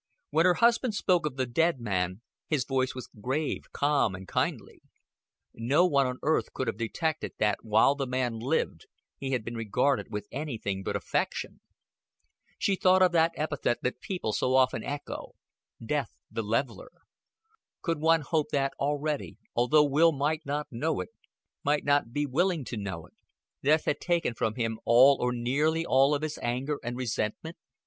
When her husband spoke of the dead man, his voice was grave, calm and kindly. No one on earth could have detected that while the man lived, he had been regarded with anything but affection. She thought of that epithet that people so often echo Death the Leveler. Could one hope that already, although Will might not know it, might not be willing to know it, death had taken from him all or nearly all of his anger and resentment?